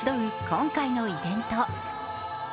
今回のイベント。